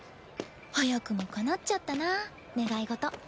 早くもかなっちゃったな願い事。